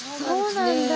そうなんだ。